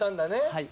はい。